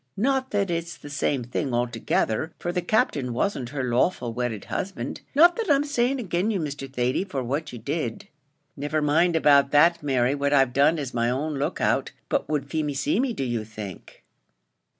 not that it's the same thing, altogether, for the Captain wasn't her lawful wedded husband. Not that I'm saying agin you, Mr Thady, for what ye did." "Never mind about that, Mary; what I've done is my own look out. But would Feemy see me, do you think?"